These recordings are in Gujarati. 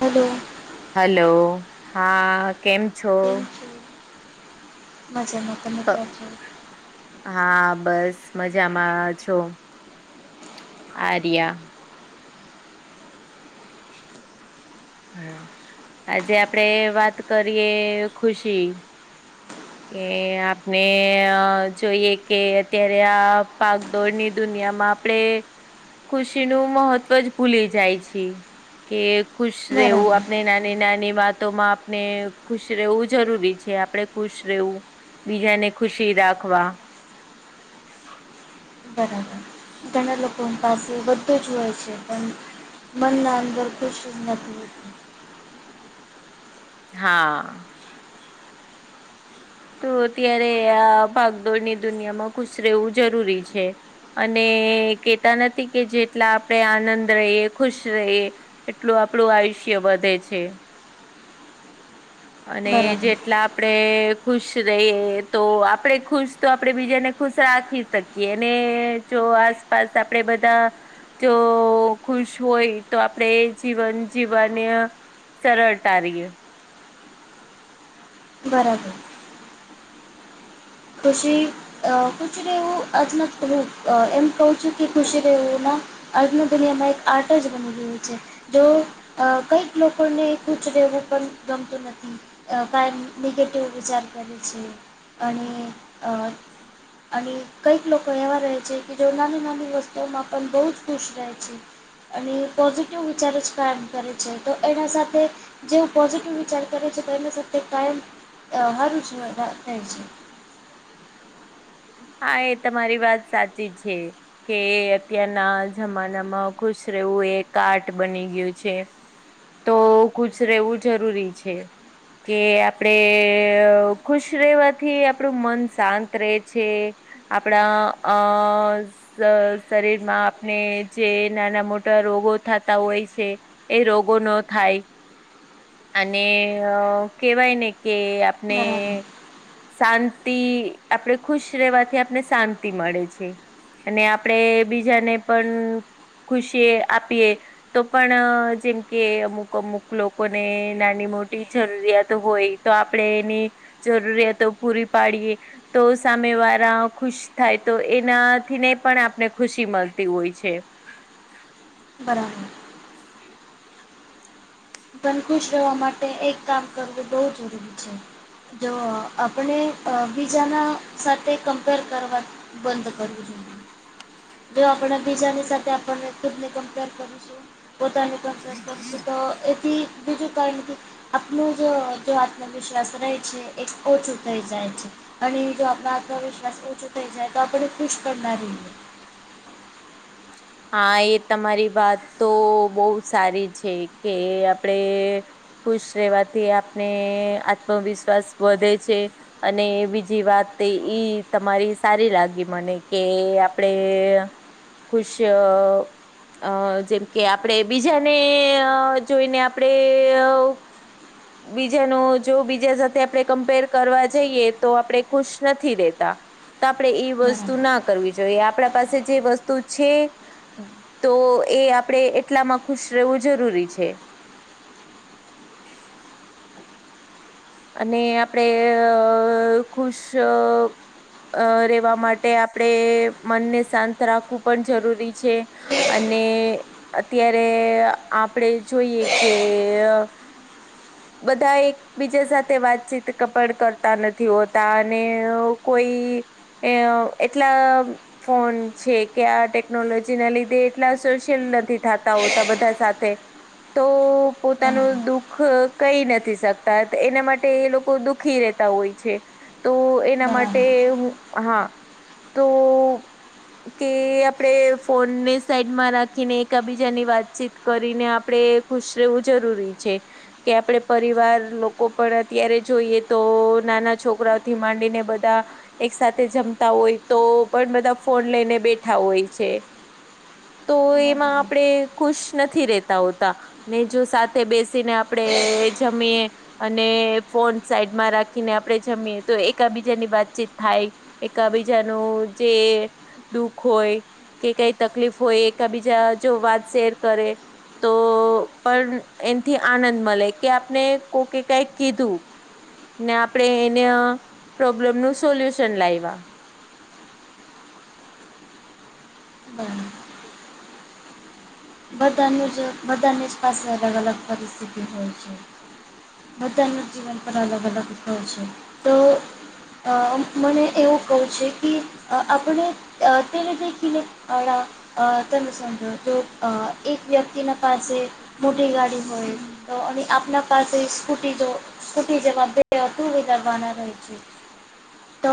હલો હાલો હા કેમ છો થેન્ક યુ મજામાં તમે કેમ છો હા બસ મજામાં છું આર્યા હા આજે આપડે વાત કરીએ ખુશી કે આપણે જોઈએ કે અત્યારે આ ભાગદોડની દુનિયામાં આપડે ખુશીનું મહત્વ જ ભૂલી જાય છીએ. કે ખુશ રહેવું બરાબર આપણે ના આપણે નાની વાતોમાં આપણે ખુશ રહેવું જરૂરી છે આપણે ખુશ રહેવું બીજાને ખુશી રાખવા. બરાબર ઘણા લોકો પાસે બધુજ હોય છે પણ મનના અંદર ખુશી જ નથી. હા. તો ત્યારે આ ભાગદોડની દુનિયામાં ખુશ રહેવું જરૂરી છે. અને કેતા નથી કે જેટલા આપણેે આનંદ રહીએ ખુશ રહીએ. એટલું આપણું આયુષ્ય વધે છે. અને બરાબર જેટલા આપડે. ખુશ રહીએ તો આપડે ખુશ તો આપડે બીજાને ખુશ રાખી શકીએ ને જો આસપાસ આપડે બધા જો ખુશ હોય તો આપણેે જીવન જીવવા નય સરળતાા રીએ. બરાબર. પછી. અ ખુશી રહેેવું આજમાં એમ કહું છું કે ખુશી રહેવું ના આજના દુનિયામાં એક આર્ટ જ બની ગયું છે. જો કઈક લોકોને કુચ રહેવું પણ ગમતું નથી. ક નિગેટિવ વિચાર કરે છે અને અ અને કઈક લોકો એવા રહે છે કે જેઓ નાની નાની વસ્તુઓ માં પણ બહુ જ ખુશ રહે છે. અને પોઝિટિવ વિચાર જ કામ કરે છે તો એના સાથે જેવું પોઝિટિવ વિચાર કરે છે તો એના સાથે કાયમ હારું જ હોય થાય છે. હા એ તમારી વાત સાચી છે. કે અત્યારના જમાનામાં ખુશ રહેવું એ આર્ટ બની ગયું છે. તો ખુશ રહેવું જરૂરી છે. કે આપડે ખુશ રહેવાથી આપડું મન શાંત રહે છે. આપણા અ શરીર માં આપણે જે નાના મોટા રોગો થતા હોય છે. એ રોગો નો થાય. અને કેહેવાય ને કે આપ ને બરાબર શાંતિ આપડે ખુશ રહેવાથી આપને શાંતિ મળે છે અને આપડે બીજાને પણ ખૂ ખુશીએ આપીએ. તો પણ જેમ કે અમુક અમુક લોકોને નાની મોટી જરૂરિયાત હોય. તો આપણે એની જરૂરિયાતો પૂરી પાડીએ તો સામે વાળા ખુશ થાય તો એનાથી ને પણ આપને ખુશી મળતી હોય છે. બરાબર. પણ ખુશ રહેવા માટે એક કામ કરવું બો જરૂરી છે. જો આપણે અ બીજાના સાથે કમ્પેર કરવા બંધ કરવું જોઈએ. જો આપણે બીજાની સાથે આપને ખુદને કમ્પેર કરું છું. પોતાની કોમ્પેર કરશું તો એથી બીજું કારણથી. આપનું જ આત્મવિશ્વાસ રહે છે એ ઓછું થઈ જાય છે. અને જો આપણા આત્મવિશ્વાસ ઓછો થઈ જાય તો આપણે ખુશ કરનાર રહી જઈ. હા એ તમારી વાત તો બો સારી છે કે આપડે ખુશ રહેવાથી આપને આત્મવિશ્વાસ વધે છે. અને બીજી વાત ઈ તમારી સારી લાગી મને કે આપડે ખુશ અ અ જેમ કે આપણે બીજાને જોઈને આપડે બીજાનું જો બીજા સાથે આપણે કમ્પેર કરવા જઈએ તો આપણે ખુશ નથી રેતા તો આપણે એ રહીએ વસ્તુ ના કરવી જોઈએ આપણા પાસે જે વસ્તુ છે તો એ આપડે એટલામાં ખુશ રહેવું જરૂરી છે. અને આપડે ખુશ અ રહેેવા માટે આપણે મનને શાંત રાખવું પણ જરૂરી છે. અને અત્યારે આપડે જોઈએ કે બધા એક બી- જા સાથે વાતચીત કપણ કરતા નથી હોતા અને કોઈ એ એટલા ફોન છે કે આ ટેકનોલોજી ના લીધે એટલા સોશિયલ નથી થતા હોતા બધા સાથે તો પોતાનું બરાબર દુખ કઈ નથી શકતા એના માટે એ લોકો દુખી રહેતા હોય છે તો એના માટે બરાબર બરાબર હા તો કે આપણેે ફોનને સાઈડમાં રાખીને એકાબીજાની વાતચીત કરીને આપડે ખુશ રહેવું જરૂરી છે કે આપડે પરિવાર લો- કો પણ અત્યારે જોઈએ તો નાના છોકરાઓથી માંડીને બધા એક સાથે જમતા હોય તો પણ બધા ફોન લઈને બેઠા હોય છે. તો એમાં બરાબર આપડે ખુશ નથી રેતા હોતા ને જો સાથે બેસીને આપડે જમીએ અને ફોન સાઈડમાં રાખીને આપડે જમીએ તો એકાબીજા ની વાતચીત થાય એકાબીજાનું જે દુઃખ હોય કે કઈ તકલીફ હોય એકાબીજા જો વાત શેર કરે તો પણ એનાથી આનંદ મળે કે આપને કોકે કઈ કીધું ને આપડે એના પ્રોબ્લેમ નું સોલ્યુશન લાયવા [inaudible] બધાનું જ બધાની જ પાસે અલગ અલગ પરિસ્થિતિ હોય છે. બધાનું જીવન પણ અલગ અલગ હોય છે તો મને એવું કહું છે કે આપણે [inaudible] અ એક વ્યક્તિના પાસે મોટી ગાડી હોય તો અને આપના પાસે સ્કૂટી જો સ્કુટી જેવા બે ટુ વ્હીલર વાનાય છે. તો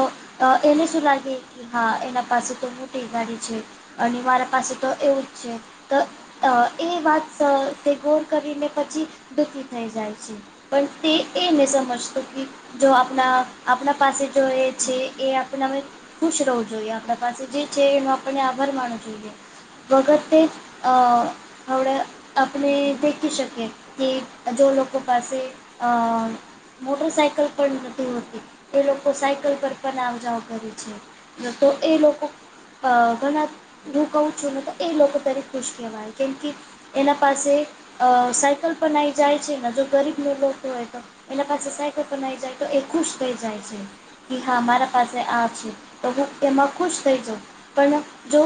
એને શું લાગે કે હા એના પાસે તો મોટી ગાડી છે અને મારા પાસે તો એવું જ છે. તો અ એ વાત તે ગોર કરીને પછી દુઃખી થઈ જાય છે પણ તે એ નહીં સમજતો કે જો આપણા આપણા પાસે જો એ છે એ આપના ખુશ રહેવું જોઈએ આપણા પાસે જે છે એનો આપણને આભાર માનવો જોઈએ વગર અ હવડે આપણે દેખી શકીએ કે જો લો- કો પાસે અ મોટર સાયકલ પણ નથી હોતી એ લોકો સાયકલ પર પણ આવજાવ કરે છે. તો એ લોકો ઘણા હું કહું છું ને તો એ લોકો ખુશ કેવાય કેમ કે એના પાસે અ સાયકલ પણઈ જાય છે ને જો ગરીબ લોકો હોય એના પાસે સાયકલ પણ આઈ જાય તો એ ખુશ થઈ જાય છે. કે હા મારા પાસે આ છે તો હું એમાં ખુશ થઈ જઉ પણ જો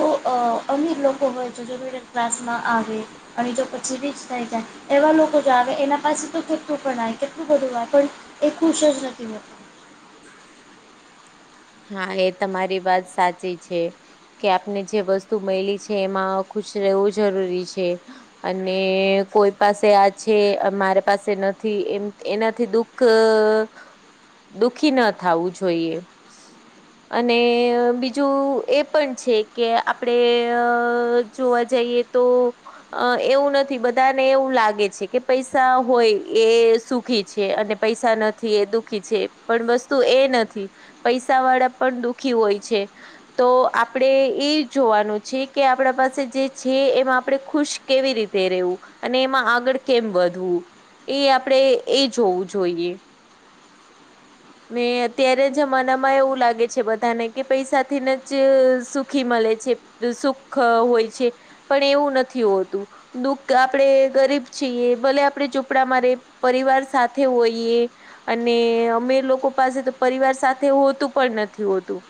અમીર લોકો હોય [unintelligible] ક્લાસમાં આવે અને જો પછી [unintelligible] થય જાય એવા લોકો જ આવે એના પાસે તો કેટલું [unintelligible] કેટલું બધું હોય પણ એ ખુશ જ નથી હોત હા એ તમારી વાત સાચી છે કે આપને જે વસ્તુ મયલી છે એમાં ખુશ રહેવું જરૂરી છે અને કોઈ પાસે આ છે મારે પાસે નથી એમ એનાથી દુઃખ ક દુઃખી ના થાવું જોઈએ અને બીજું એ પણ છે કે આપણે અ જોવા જઈએ તો અ એવું નથી બધાને એવું લાગે છે કે પૈસા હોય એ સુ ખી છે અને પૈસા નથી એ દુઃખી છે પણ વસ્તુ એ નથી પૈસા વાળા પણ દુઃખી હોય છે તો આપડે એ જોવાનું છે કે આપણા પાસે જે છે એમાં આપણે ખુશ કેવી રીતે રહેવું અને એમાં આગળ કેમ વધવું એ આપડે એ જોવું જોઈએ ને અત્યારે જમાનામાં એવું લાગે છે બધાને કે પૈસાથીને જ સુખી મળે છે સુખ હોય છે પણ એવું નથી હોતું દુઃખ આપડે ગરીબ છીએ ભલે આપડે ઝૂપડા માં રે પરિવાર સાથે હોઈએ અને અમીર લો કો પાસે તો પરિવાર સાથે હોતું પણ નથી હોતું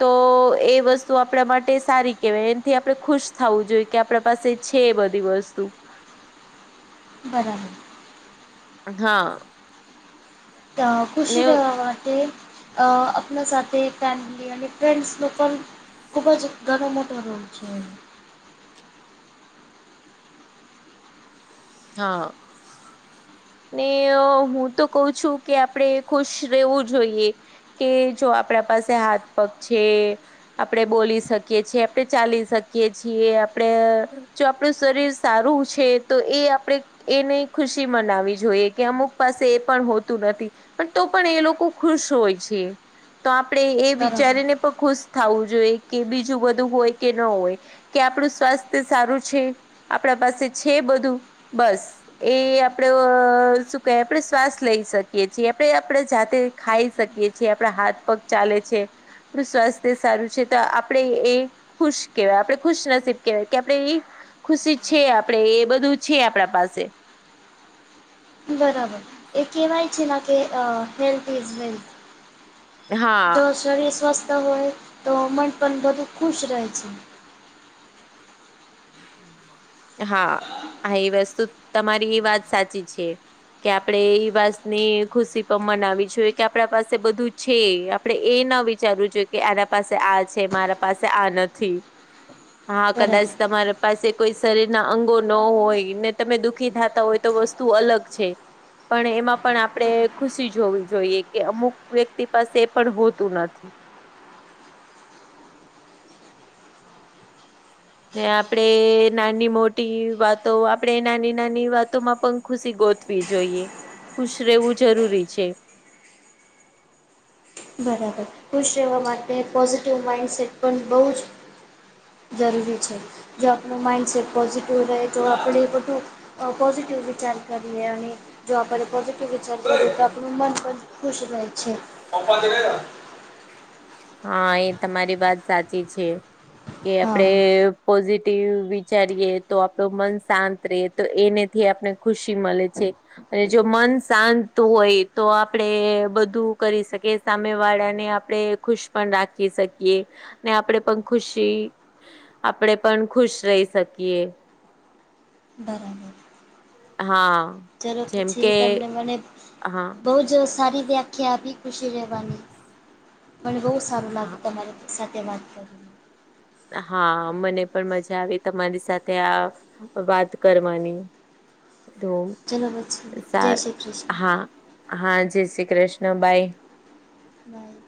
તો એ વસ્તુ આપણા માટે સારી કેવાય એનથી આપડે ખુશ થવું જોઈએ કે આપણા પાસે છે બધી વસ્તુ બરાબર હા તો ખુશી ને [unintelligible] તે અપના સાથે ફેમિલી અને ફ્રેન્ડ્સ [unintelligible] ખુબજ ઘણો મોટો રોલ છે. હા ને હું તો કહુ છું કે આપડે ખુશ રહેવું જોઈએ કે જો આપડા પાસે હાથ પગ છે આપડે બોલી શકીએ છીએ આપડે ચાલી શકીએ છીએ આપડે જો આપણું શરીર સારું છે તો એ આપડે એને ખુશી મનાવી જોઈએ કે અમુક પાસે એ પણ હોતું નથી પણ તો પણ એ લોકો ખુશ હોય છે તો આપણે એ બરાબર વિચારીને પણ ખુશ થાવું જોઈએ કે બીજું બધું હોય કે ન હોય કે આપણું સ્વાસ્થ સારું છે આપણા પાસે છે બધું બસ એ આપડે અ શું કેવાય આપણે શ્વાસ લઈ શકીએ છીએ આપણે આપણે જાતે ખાઈ શકીએ છેએ આપણા હાથ પગ ચાલે છે આપણું સ્વાસ્થ સારું છે તો આપણે ખુશ કેવાય આપણે ખુશનસીબ કેવાય કે આપણે એ ખુશી છે આપણે એ બધું છે આપણા પાસે બરાબર એ કેવાય છે ના કે હેલ્થ ઇઝ વેલ્થ હા જો શરીર સ્વસ્થ હોય તો મન પણ બધુ ખુશ રહે છે હા હા એ વસ્તુ તમારી એ વાત સાચી છે કે આપડે એ વાત ની ખુશી પણ મનાવી જોયે કે આપણા પાસે બધું છે આપડે એ ના વિચારવું જોઈએ કે આના પાસે આ છે મારા પાસે આ નથી હા કદાચ બરાબર તમારા પાસે કોઈ શરીર ના અંગો નો હોય ને તમે દુઃખી થાતા હોય તો વસ્તુ અલગ છે પણ એમાં પણ આપણે ખુશી જોવી જોઈએ કે અમુક વ્યક્તિ પાસે એ પણ હોતું નથી ને આપડે નાની મોટી વાતો આપડે નાની નાની વાતોમાં પણ ખુશી ગોત જોઈએ ખુશ રહેવું જરૂરી છે. બરાબર ખુશ રહેવા માટે પોઝિટિવ માઇન્ડસેટ પણ બોજ જરૂરી છે. જો આપણું માઇન્ડસેટ પોઝિટિવ રહે તો આપણે બધું અ પોઝિટિવ વિચાર કરીએ અને જો આપણે પોઝિટ વિચાર કરીએ તો આપણું મન પણ ખુશ રહે છે. પંધ હા એ તમારી વાત સાચ્ચી છે કે આપડે પોઝિટિવ વિચારીએ તો આપડુ મન શાંત રહે તો એનેથી આપણે ખુશી મળે છે. અને જો મન શાંત હોય તો આપડે બધું કરી શકે સામે વાળા ને આપણે ખુશ પણ રાખી શકીએ ને આપડે પણ ખુશી આપણેે પણ ખુશ રહી શકીએ. બરાબર. હા. ચાલો જેમ પછી કે તમને મને હા બો જ સારી વ્યાખ્યા આપી ખુશી રહેવાની. મને બો સારું લાગે તમારે સાથે વાત કરવાની. હા મને પણ મજા આવી તમારી સાથે આ વાત કરવાની તો ચલો પછી જય સાર શ્રી કૃષ્ણ હા. હા જય શ્રી કૃષ્ણ બાય. બાય.